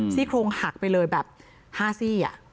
ซี่โครงหักไปเลยแบบ๕ซี่